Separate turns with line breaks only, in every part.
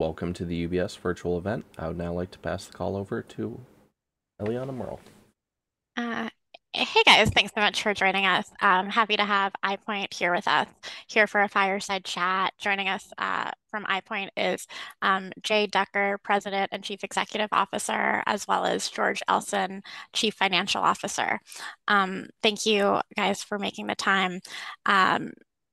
Welcome to the UBS virtual event. I would now like to pass the call over to Eliana Merle.
Hey, guys. Thanks so much for joining us. I'm happy to have EyePoint here with us, here for a fireside chat. Joining us from EyePoint is Jay Duker, President and Chief Executive Officer, as well as George Elston, Chief Financial Officer. Thank you, guys, for making the time.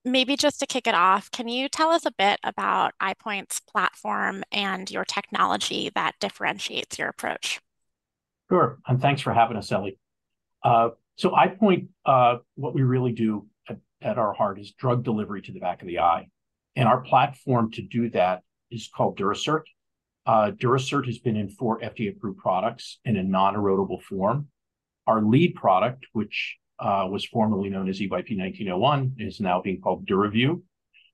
Maybe just to kick it off, can you tell us a bit about EyePoint's platform and your technology that differentiates your approach?
Sure, and thanks for having us, Ellie. So EyePoint, what we really do at our heart is drug delivery to the back of the eye, and our platform to do that is called Durasert. Durasert has been in four FDA-approved products in a non-erodible form. Our lead product, which was formerly known as EYP-1901, is now being called Duravyu.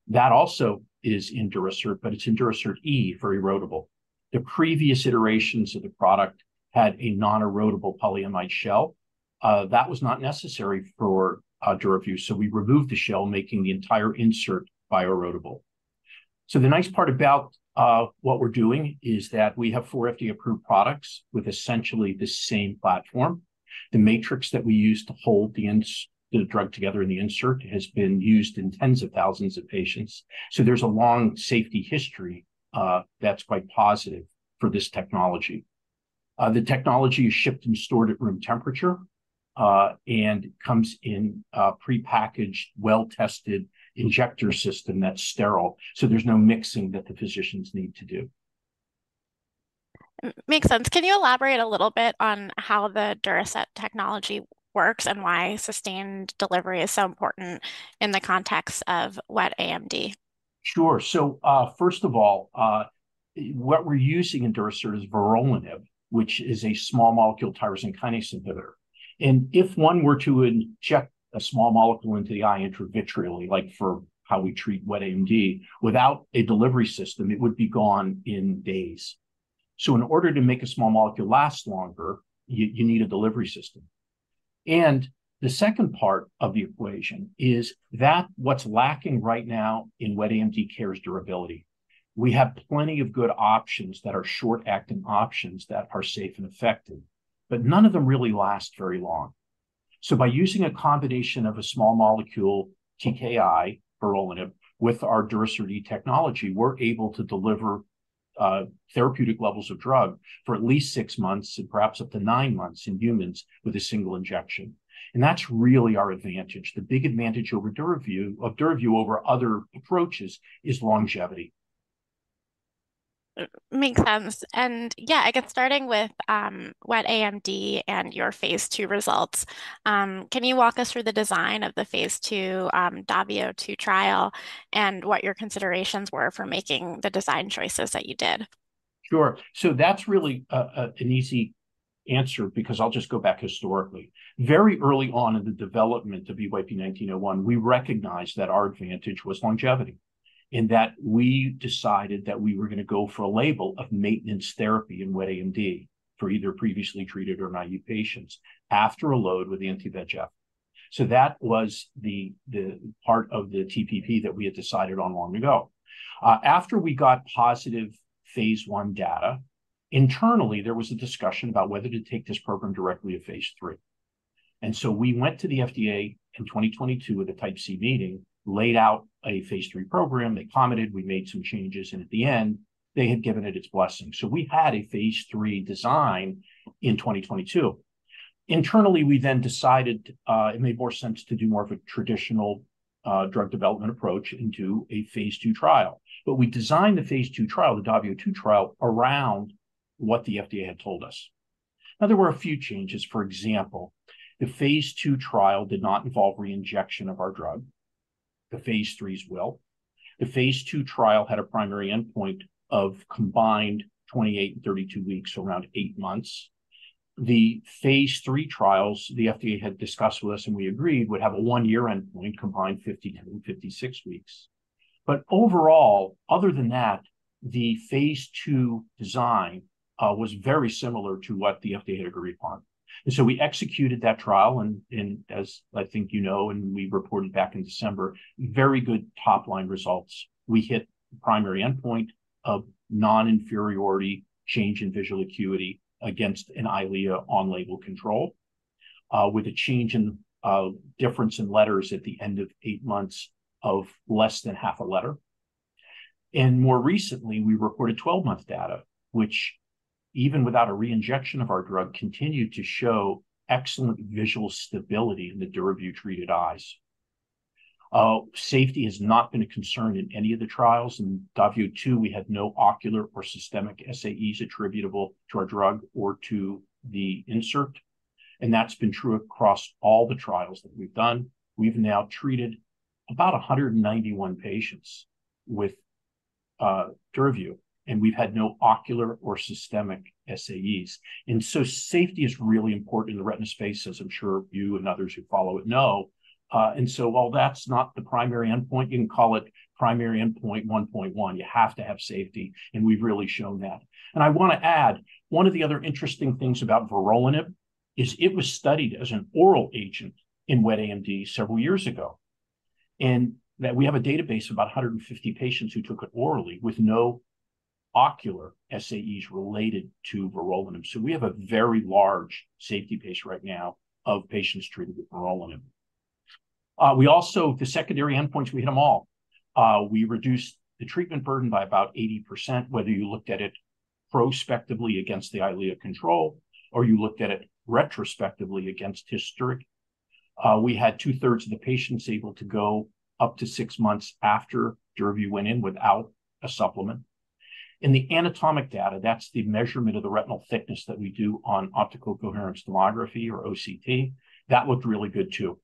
That also is in Durasert, but it's in Durasert E for erodible. The previous iterations of the product had a non-erodible polyamide shell. That was not necessary for Duravyu, so we removed the shell, making the entire insert bioerodible. So the nice part about what we're doing is that we have four FDA-approved products with essentially the same platform. The matrix that we use to hold the drug together in the insert has been used in tens of thousands of patients, so there's a long safety history that's quite positive for this technology. The technology is shipped and stored at room temperature and comes in a prepackaged, well-tested injector system that's sterile, so there's no mixing that the physicians need to do.
Makes sense. Can you elaborate a little bit on how the Durasert technology works, and why sustained delivery is so important in the context of wet AMD?
Sure. So, first of all, what we're using in Durasert is vorolanib, which is a small molecule tyrosine kinase inhibitor. And if one were to inject a small molecule into the eye intravitreally, like for how we treat wet AMD, without a delivery system, it would be gone in days. So in order to make a small molecule last longer, you need a delivery system. And the second part of the equation is that what's lacking right now in wet AMD care is durability. We have plenty of good options that are short-acting options that are safe and effective, but none of them really last very long. By using a combination of a small molecule TKI, vorolanib, with our Durasert E technology, we're able to deliver therapeutic levels of drug for at least six months, and perhaps up to nine months in humans with a single injection, and that's really our advantage. The big advantage of Duravyu over other approaches is longevity.
Makes sense. And yeah, I guess starting with wet AMD and your phase II results, can you walk us through the design of the phase 2 DAVIO-2 trial, and what your considerations were for making the design choices that you did?
Sure. So that's really an easy answer, because I'll just go back historically. Very early on in the development of EYP-1901, we recognized that our advantage was longevity, in that we decided that we were going to go for a label of maintenance therapy in wet AMD for either previously treated or naive patients after a load with anti-VEGF. So that was the part of the TPP that we had decided on long ago. After we got positive phase I data, internally, there was a discussion about whether to take this program directly to phase III. And so we went to the FDA in twenty twenty-two with a Type C meeting, laid out a phase III program. They commented, we made some changes, and at the end, they had given it its blessing. So we had a phase III design in 2022. Internally, we then decided, it made more sense to do more of a traditional, drug development approach and do a phase II trial. But we designed the phase II trial, the DAVIO-2 trial, around what the FDA had told us. Now, there were a few changes. For example, the phase II trial did not involve re-injection of our drug. The Phase IIIs will. The phase II trial had a primary endpoint of combined 28 and 32 weeks, so around eight months. The phase III trials, the FDA had discussed with us, and we agreed, would have a one-year endpoint, combined 50 and 56 weeks. But overall, other than that, the phase II design, was very similar to what the FDA had agreed upon. And so we executed that trial, and as I think you know, and we reported back in December, very good top-line results. We hit the primary endpoint of non-inferiority change in visual acuity against an Eylea on-label control, with a change in difference in letters at the end of eight months of less than half a letter. And more recently, we reported twelve-month data, which, even without a re-injection of our drug, continued to show excellent visual stability in the Duravyu-treated eyes. Safety has not been a concern in any of the trials. In DAVIO-2, we had no ocular or systemic SAEs attributable to our drug or to the insert, and that's been true across all the trials that we've done. We've now treated about 191 patients with Duravyu, and we've had no ocular or systemic SAEs. And so safety is really important in the retina space, as I'm sure you and others who follow it know. And so while that's not the primary endpoint, you can call it primary endpoint one point one. You have to have safety, and we've really shown that. And I want to add, one of the other interesting things about vorolanib is it was studied as an oral agent in wet AMD several years ago, and that we have a database of about 150 patients who took it orally with no ocular SAEs related to vorolanib. So we have a very large safety base right now of patients treated with vorolanib. We also, the secondary endpoints, we hit them all. We reduced the treatment burden by about 80%, whether you looked at it prospectively against the Eylea control or you looked at it retrospectively against history. We had two-thirds of the patients able to go up to six months after Duravyu went in without a supplement. In the anatomic data, that's the measurement of the retinal thickness that we do on optical coherence tomography or OCT, that looked really good, too.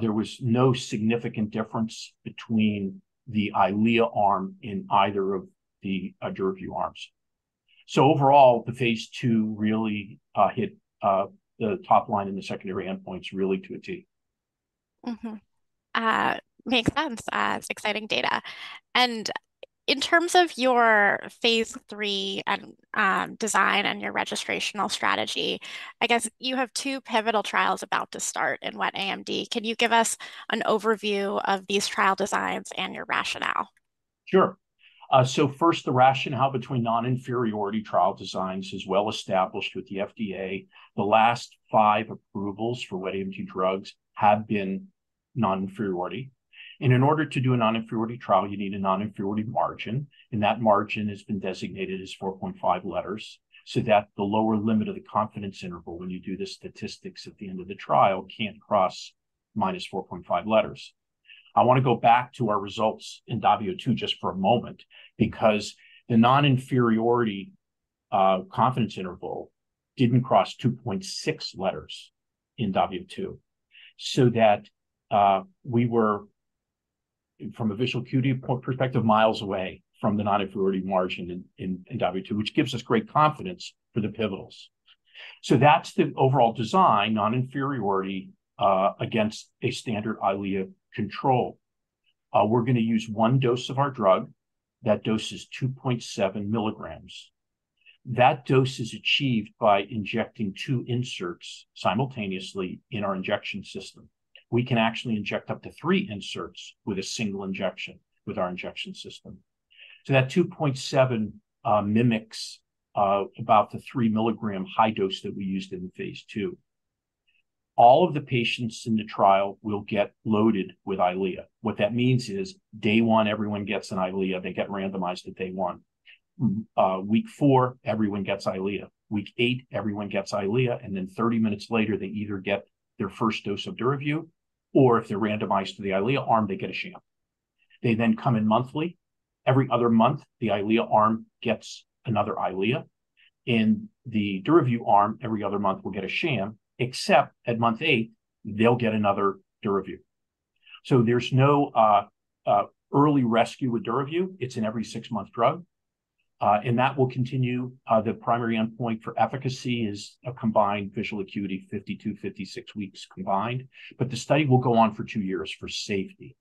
There was no significant difference between the Eylea arm in either of the Duravyu arms. So overall, the phase II really hit the top line in the secondary endpoints really to a T.
Mm-hmm. Makes sense. It's exciting data. In terms of your phase III and design and your registrational strategy, I guess you have two pivotal trials about to start in wet AMD. Can you give us an overview of these trial designs and your rationale?
Sure. So first, the rationale behind non-inferiority trial designs is well-established with the FDA. The last five approvals for wet AMD drugs have been non-inferiority, and in order to do a non-inferiority trial, you need a non-inferiority margin, and that margin has been designated as 4.5 letters, so that the lower limit of the confidence interval when you do the statistics at the end of the trial can't cross minus 4.5 letters. I want to go back to our results in DAVIO-2 just for a moment, because the non-inferiority confidence interval didn't cross 2.6 letters in DAVIO-2, so that we were, from a visual acuity perspective, miles away from the non-inferiority margin in DAVIO-2, which gives us great confidence for the pivotals. So that's the overall design, non-inferiority, against a standard Eylea control. We're going to use one dose of our drug. That dose is 2.7 milligrams. That dose is achieved by injecting two inserts simultaneously in our injection system. We can actually inject up to three inserts with a single injection with our injection system. So that 2.7 mimics about the 3-milligram high dose that we used in phase II. All of the patients in the trial will get loaded with Eylea. What that means is, day one, everyone gets an Eylea. They get randomized to day one. Week four, everyone gets Eylea. Week eight, everyone gets Eylea, and then thirty minutes later, they either get their first dose of Duravyu, or if they're randomized to the Eylea arm, they get a sham. They then come in monthly. Every other month, the Eylea arm gets another Eylea. In the Duravyu arm, every other month will get a sham, except at month eight, they'll get another Duravyu. So there's no early rescue with Duravyu. It's an every-six-month drug. And that will continue. The primary endpoint for efficacy is a combined visual acuity 52-56 weeks combined. But the study will go on for two years for safety,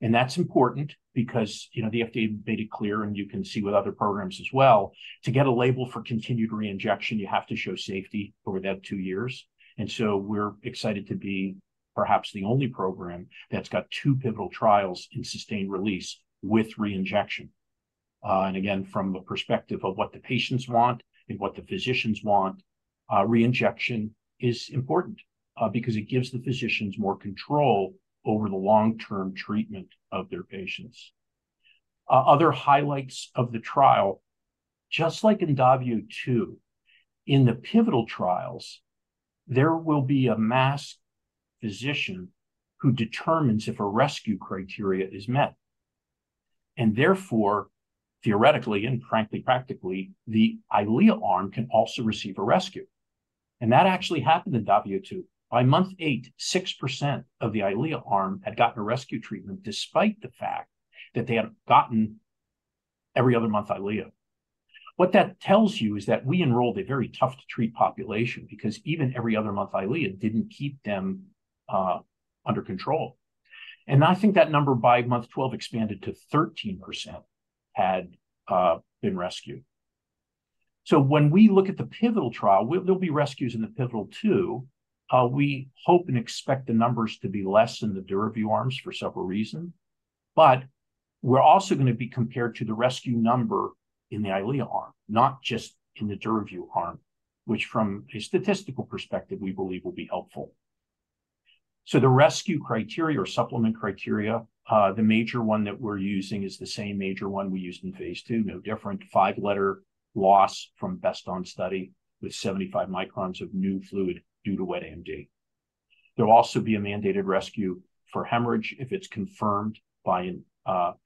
and that's important because, you know, the FDA made it clear, and you can see with other programs as well, to get a label for continued re-injection, you have to show safety over that two years. And so we're excited to be perhaps the only program that's got two pivotal trials in sustained release with re-injection. And again, from the perspective of what the patients want and what the physicians want, re-injection is important, because it gives the physicians more control over the long-term treatment of their patients. Other highlights of the trial, just like in DAVIO-2, in the pivotal trials, there will be a masked physician who determines if a rescue criteria is met, and therefore, theoretically, and frankly, practically, the Eylea arm can also receive a rescue. And that actually happened in DAVIO-2. By month eight, 6% of the Eylea arm had gotten a rescue treatment, despite the fact that they had gotten every other month Eylea. What that tells you is that we enrolled a very tough-to-treat population, because even every other month Eylea didn't keep them under control. And I think that number, by month 12, expanded to 13% had been rescued. So when we look at the pivotal trial, there'll be rescues in the pivotal, too. We hope and expect the numbers to be less in the Duravyu arms for several reasons. But we're also going to be compared to the rescue number in the Eylea arm, not just in the Duravyu arm, which, from a statistical perspective, we believe will be helpful. So the rescue criteria or supplement criteria, the major one that we're using is the same major one we used in phase II. No different. Five-letter loss from best on study with 75 microns of new fluid due to wet AMD. There'll also be a mandated rescue for hemorrhage if it's confirmed by an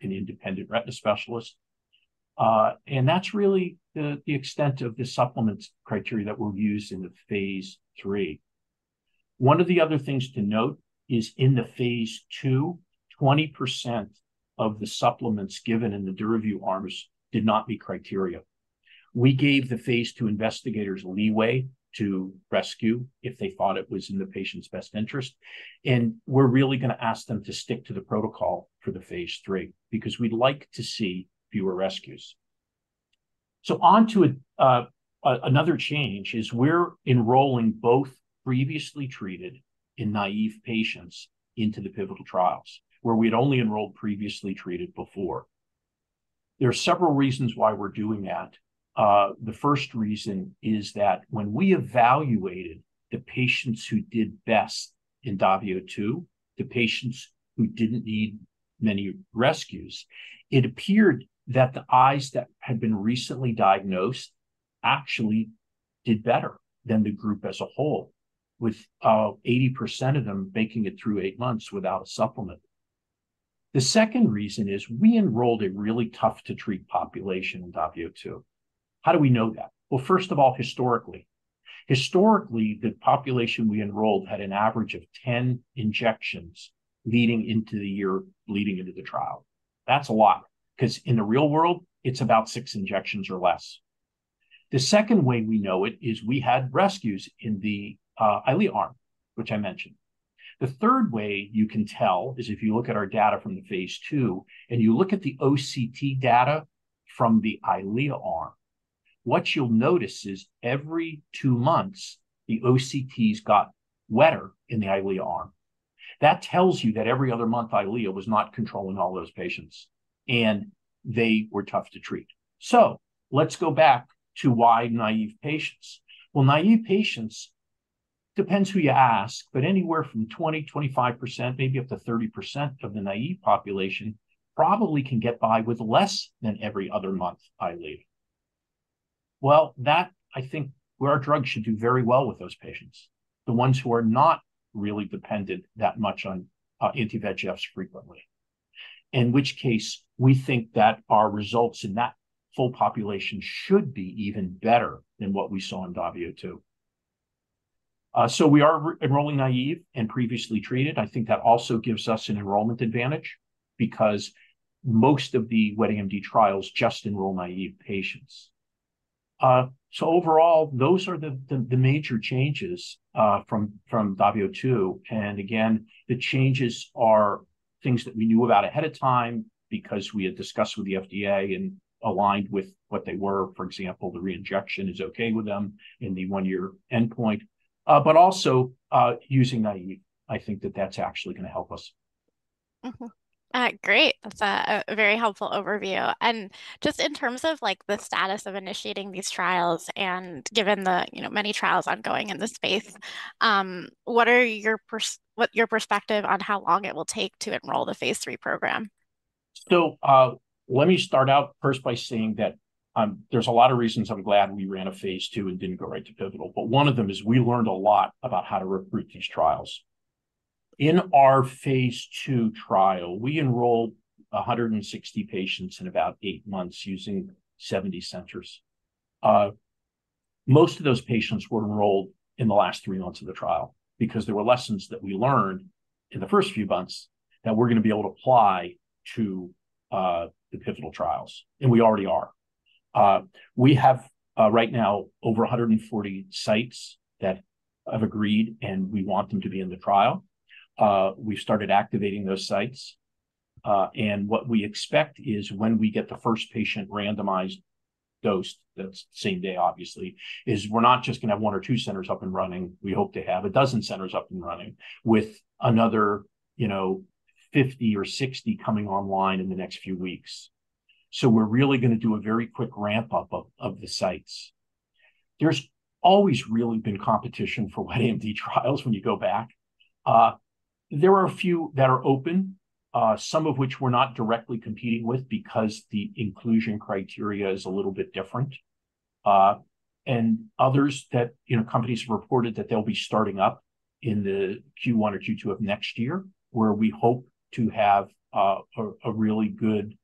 independent retina specialist. And that's really the extent of the supplements criteria that were used in the phase III. One of the other things to note is in the phase II, 20% of the supplements given in the Duravyu arms did not meet criteria. We gave the phase II investigators leeway to rescue if they thought it was in the patient's best interest, and we're really going to ask them to stick to the protocol for the phase III, because we'd like to see fewer rescues. So on to another change is we're enrolling both previously treated and naive patients into the pivotal trials, where we'd only enrolled previously treated before. There are several reasons why we're doing that. The first reason is that when we evaluated the patients who did best in DAVIO-2, the patients who didn't need many rescues, it appeared that the eyes that had been recently diagnosed actually did better than the group as a whole, with 80% of them making it through eight months without a supplement. The second reason is we enrolled a really tough-to-treat population in DAVIO-2. How do we know that? First of all, historically. Historically, the population we enrolled had an average of 10 injections leading into the trial. That's a lot, 'cause in the real world, it's about six injections or less. The second way we know it is we had rescues in the Eylea arm, which I mentioned. The third way you can tell is if you look at our data from the phase 2, and you look at the OCT data from the Eylea arm. What you'll notice is every two months, the OCTs got wetter in the Eylea arm. That tells you that every other month, Eylea was not controlling all those patients, and they were tough to treat. So let's go back to why naive patients? Well, naive patients, depends who you ask, but anywhere from 20-25%, maybe up to 30% of the naive population probably can get by with less than every other month Eylea. Well, that, I think, where our drug should do very well with those patients, the ones who are not really dependent that much on anti-VEGFs frequently. In which case, we think that our results in that full population should be even better than what we saw in DAVIO-2. So we are re-enrolling naive and previously treated. I think that also gives us an enrollment advantage because most of the wet AMD trials just enroll naive patients. So overall, those are the major changes from DAVIO-2. Again, the changes are things that we knew about ahead of time because we had discussed with the FDA and aligned with what they were. For example, the re-injection is okay with them in the one-year endpoint. But also, using naive, I think that that's actually gonna help us.
Mm-hmm. Great! That's a very helpful overview. And just in terms of, like, the status of initiating these trials and given the, you know, many trials ongoing in this space, what is your perspective on how long it will take to enroll the phase III program?
So, let me start out first by saying that, there's a lot of reasons I'm glad we ran a phase II and didn't go right to pivotal. But one of them is we learned a lot about how to recruit these trials. In our phase II trial, we enrolled a hundred and sixty patients in about eight months using seventy centers. Most of those patients were enrolled in the last three months of the trial because there were lessons that we learned in the first few months that we're gonna be able to apply to, the pivotal trials, and we already are. We have, right now, over a hundred and forty sites that have agreed, and we want them to be in the trial. We've started activating those sites. And what we expect is when we get the first patient randomized dosed, that's the same day, obviously. We're not just gonna have one or two centers up and running. We hope to have a dozen centers up and running, with another, you know, 50 or 60 coming online in the next few weeks. So we're really gonna do a very quick ramp-up of the sites. There's always really been competition for wet AMD trials when you go back. There are a few that are open, some of which we're not directly competing with because the inclusion criteria is a little bit different. And others that, you know, companies have reported that they'll be starting up in the Q1 or Q2 of next year, where we hope to have a really good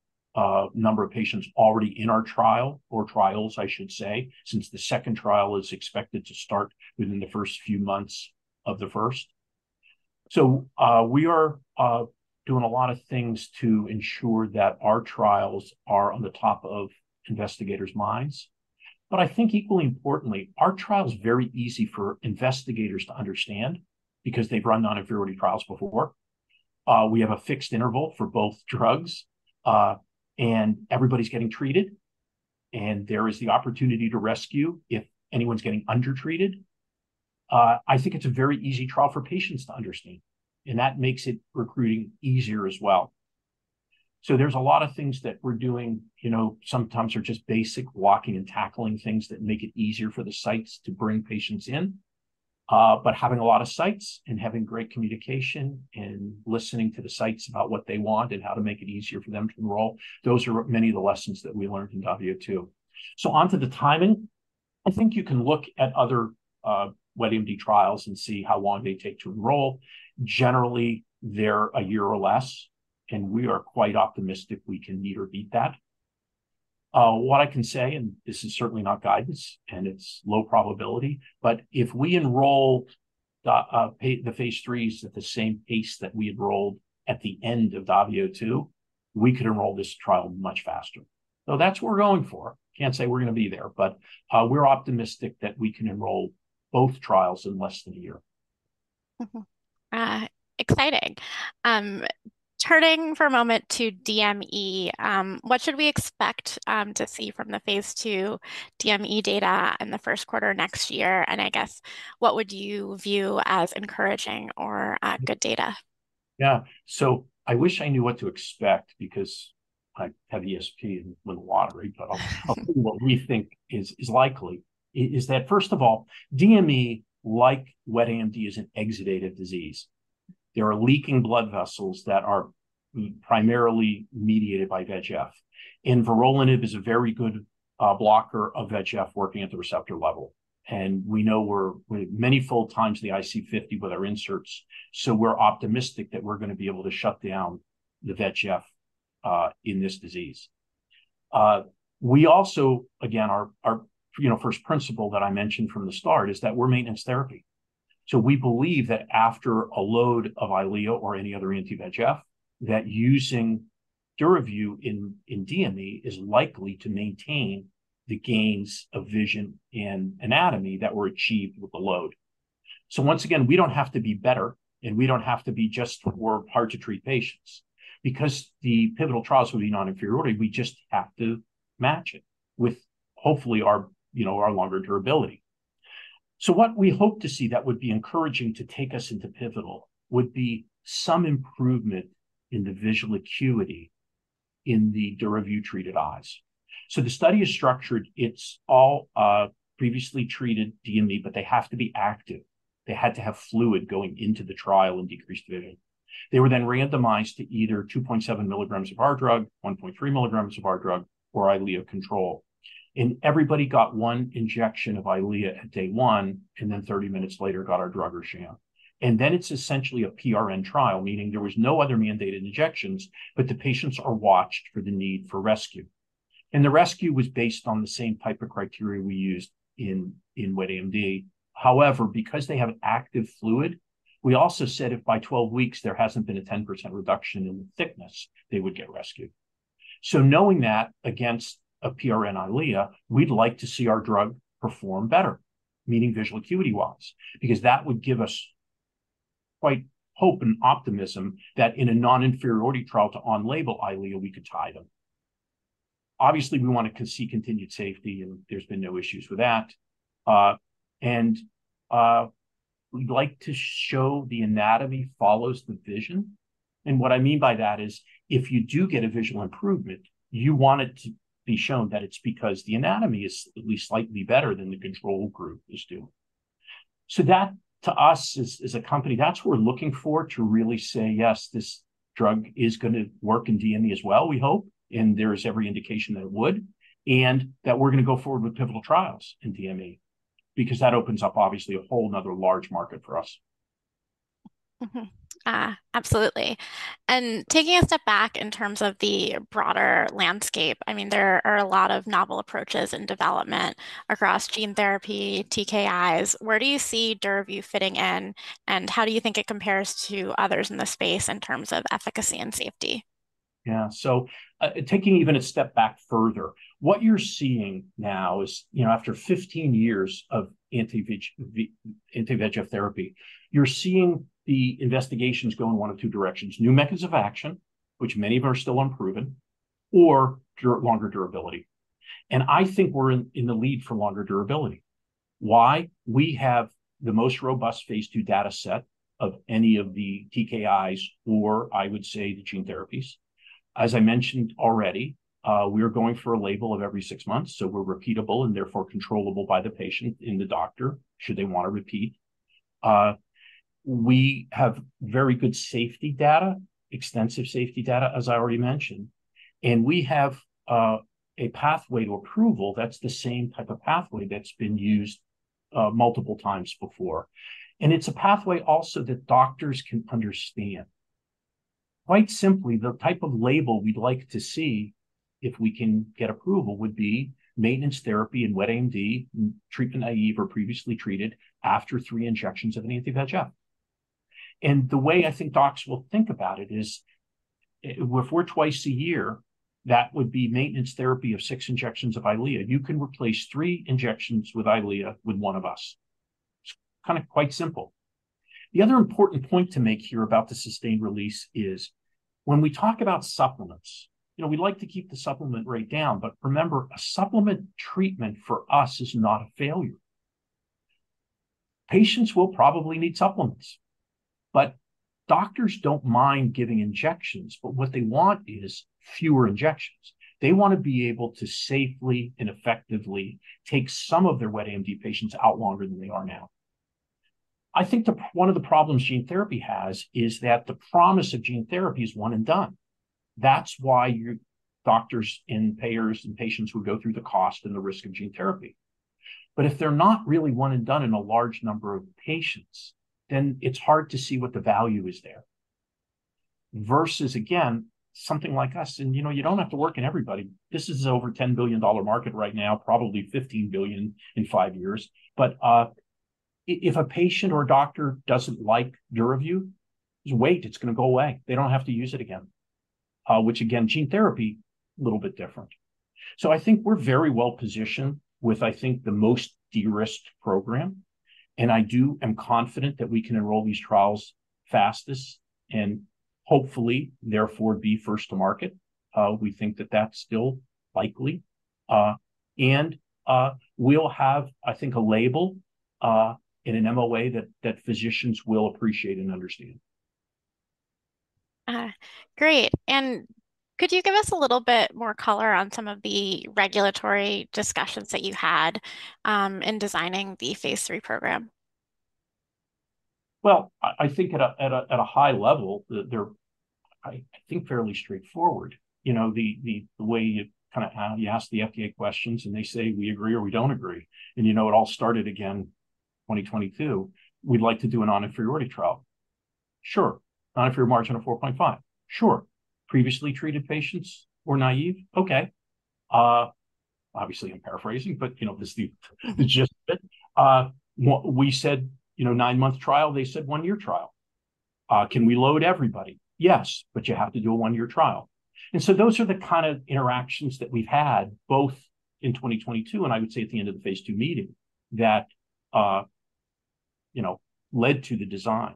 number of patients already in our trial or trials, I should say, since the second trial is expected to start within the first few months of the first. So, we are doing a lot of things to ensure that our trials are on the top of investigators' minds. But I think equally importantly, our trial is very easy for investigators to understand because they've run non-inferiority trials before. We have a fixed interval for both drugs, and everybody's getting treated, and there is the opportunity to rescue if anyone's getting undertreated. I think it's a very easy trial for patients to understand, and that makes it recruiting easier as well. So there's a lot of things that we're doing, you know, sometimes are just basic walking and tackling things that make it easier for the sites to bring patients in. But having a lot of sites, and having great communication, and listening to the sites about what they want and how to make it easier for them to enroll, those are many of the lessons that we learned in DAVIO-2. So onto the timing, I think you can look at other wet AMD trials and see how long they take to enroll. Generally, they're a year or less, and we are quite optimistic we can meet or beat that. What I can say, and this is certainly not guidance, and it's low probability, but if we enroll the phase IIIs at the same pace that we enrolled at the end of DAVIO-2, we could enroll this trial much faster. So that's what we're going for. Can't say we're gonna be there, but, we're optimistic that we can enroll both trials in less than a year....
Mm-hmm, exciting! Turning for a moment to DME, what should we expect to see from the phase II DME data in the first quarter next year? And I guess, what would you view as encouraging or good data?
Yeah, so I wish I knew what to expect, because I have ESP and win the lottery. But I'll tell you what we think is likely is that, first of all, DME, like wet AMD, is an exudative disease. There are leaking blood vessels that are primarily mediated by VEGF. And vorolanib is a very good blocker of VEGF working at the receptor level. And we know we're many fold times the IC50 with our inserts, so we're optimistic that we're going to be able to shut down the VEGF in this disease. We also, again, our you know first principle that I mentioned from the start, is that we're maintenance therapy. So we believe that after a load of Eylea or any other anti-VEGF, that using Duravyu in DME is likely to maintain the gains of vision and anatomy that were achieved with the load. So once again, we don't have to be better, and we don't have to be just for hard-to-treat patients. Because the pivotal trials will be non-inferiority, we just have to match it with, hopefully, our, you know, our longer durability. So what we hope to see that would be encouraging to take us into pivotal, would be some improvement in the visual acuity in the Duravyu treated eyes. So the study is structured, it's all, previously treated DME, but they have to be active. They had to have fluid going into the trial and decreased vision. They were then randomized to either 2.7 milligrams of our drug, 1.3 milligrams of our drug, or Eylea control. Everybody got one injection of Eylea at day one, and then 30 minutes later, got our drug or sham. Then it's essentially a PRN trial, meaning there was no other mandated injections, but the patients are watched for the need for rescue. The rescue was based on the same type of criteria we used in wet AMD. However, because they have active fluid, we also said if by 12 weeks there hasn't been a 10% reduction in the thickness, they would get rescued. Knowing that against a PRN Eylea, we'd like to see our drug perform better, meaning visual acuity-wise, because that would give us quite hope and optimism that in a non-inferiority trial to on-label Eylea, we could tie them. Obviously, we want to see continued safety, and there's been no issues with that. We'd like to show the anatomy follows the vision. And what I mean by that is, if you do get a visual improvement, you want it to be shown that it's because the anatomy is at least slightly better than the control group is doing. So that, to us, as, as a company, that's what we're looking for to really say, "Yes, this drug is going to work in DME as well," we hope, and there is every indication that it would, and that we're going to go forward with pivotal trials in DME. Because that opens up, obviously, a whole other large market for us.
Absolutely, and taking a step back in terms of the broader landscape, I mean, there are a lot of novel approaches in development across gene therapy, TKIs. Where do you see Duravyu fitting in, and how do you think it compares to others in the space in terms of efficacy and safety?
Yeah. So, taking even a step back further, what you're seeing now is, you know, after 15 years of anti-VEGF, anti-VEGF therapy, you're seeing the investigations go in one of two directions: new mechanisms of action, which many of them are still unproven, or longer durability. I think we're in the lead for longer durability. Why? We have the most robust phase 2 data set of any of the TKIs, or I would say, the gene therapies. As I mentioned already, we are going for a label of every six months, so we're repeatable, and therefore controllable by the patient and the doctor, should they want to repeat. We have very good safety data, extensive safety data, as I already mentioned. We have a pathway to approval that's the same type of pathway that's been used multiple times before. It's a pathway also that doctors can understand. Quite simply, the type of label we'd like to see, if we can get approval, would be maintenance therapy in wet AMD, treatment-naïve or previously treated, after three injections of an anti-VEGF. The way I think docs will think about it is, if we're twice a year, that would be maintenance therapy of six injections of Eylea. You can replace three injections with Eylea with one of us. It's kinda quite simple. The other important point to make here about the sustained-release is, when we talk about supplements, you know, we like to keep the supplement rate down, but remember, a supplement treatment for us is not a failure. Patients will probably need supplements, but doctors don't mind giving injections, but what they want is fewer injections. They want to be able to safely and effectively take some of their wet AMD patients out longer than they are now. I think the one of the problems gene therapy has, is that the promise of gene therapy is one and done. That's why your doctors, and payers, and patients would go through the cost and the risk of gene therapy. But if they're not really one and done in a large number of patients, then it's hard to see what the value is there, versus again, something like us. And, you know, you don't have to work in everybody. This is over a $10 billion market right now, probably $15 billion in five years. But, if a patient or doctor doesn't like Duravyu, just wait, it's going to go away. They don't have to use it again.... Which again, gene therapy, a little bit different. So I think we're very well-positioned with, I think, the most de-risked program, and am confident that we can enroll these trials fastest, and hopefully therefore, be first to market. We think that that's still likely, and we'll have, I think, a label in an MOA that physicians will appreciate and understand.
Great. And could you give us a little bit more color on some of the regulatory discussions that you had, in designing the phase III program?
I think at a high level, they're fairly straightforward. You know, the way you kind of ask the FDA questions, and they say, "We agree," or, "We don't agree." It all started again in 2022. We'd like to do a non-inferiority trial. Sure. Non-inferiority margin of 4.5. Sure. Previously treated patients or naive? Okay. Obviously, I'm paraphrasing, but you know, this is the gist of it. What we said, you know, nine-month trial, they said one-year trial. Can we load everybody? "Yes, but you have to do a one-year trial." Those are the kind of interactions that we've had, both in 2022, and I would say at the end of the phase II meeting, that you know, led to the design.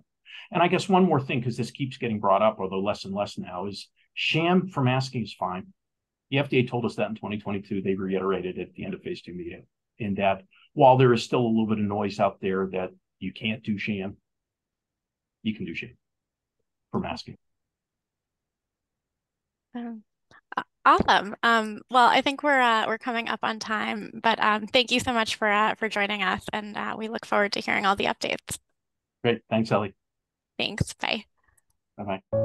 I guess one more thing, 'cause this keeps getting brought up, although less and less now, is sham formatting fine. The FDA told us that in twenty twenty-two. They reiterated at the end of phase 2 meeting, in depth. While there is still a little bit of noise out there that you can't do sham, you can do sham formatting.
Awesome. Well, I think we're coming up on time, but thank you so much for joining us, and we look forward to hearing all the updates.
Great. Thanks, Ellie.
Thanks. Bye.
Bye-bye.